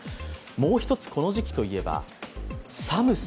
もう一つ、この時期というと寒さ。